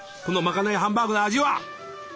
このまかないハンバーグの味は。